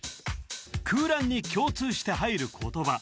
空欄に共通して入る言葉